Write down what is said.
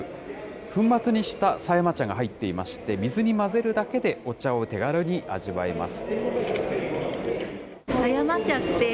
粉末にした狭山茶が入っていまして、水に混ぜるだけでお茶を手軽に味わえます。